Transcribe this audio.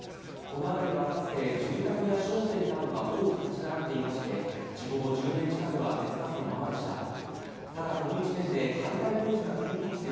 このあたりはかつて住宅や商店などが多く立ち並んでいまして、事故後１０年近くは手付かずのままでした。